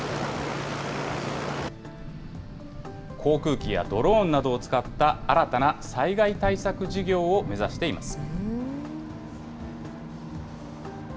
航空機やドローンなどを使った新たな災害対策事業を目指しています。